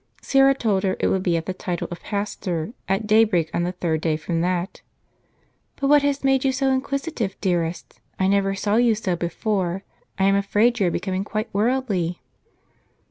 Syra told her it would be at the title of Pastor, at day break, on the third day from that. " But what has made you so inquisitive, dearest? I never saw you so before. I am afraid you are becoming quite worldly."